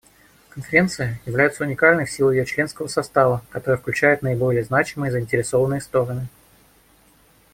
Конференция является уникальной в силу ее членского состава, который включает наиболее значимые заинтересованные стороны.